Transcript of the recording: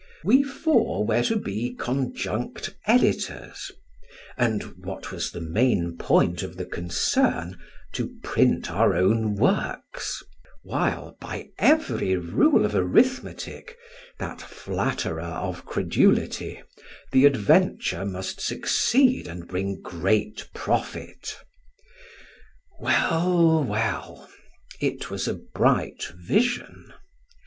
We four were to be conjunct editors, and, what was the main point of the concern, to print our own works; while, by every rule of arithmetic that flatterer of credulity the adventure must succeed and bring great profit. Well, well: it was a bright vision.